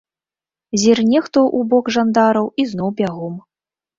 Зірне хто ў бок жандараў і зноў бягом.